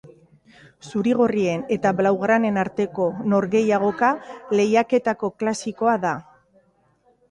Zurigorrien eta blaugranen arteko norgehiagoka lehiaketako klasikoa da.